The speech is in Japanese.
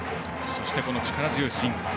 そして力強いスイング。